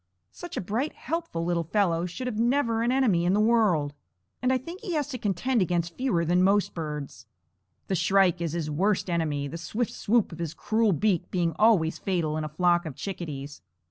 Such a bright, helpful little fellow should have never an enemy in the world; and I think he has to contend against fewer than most birds. The shrike is his worst enemy, the swift swoop of his cruel beak being always fatal in a flock of chickadees.